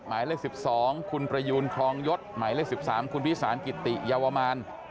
หมายเลข๑๒คุณประยูนครองยศหมายเลข๑๓คุณพิสารกิติยาวมาน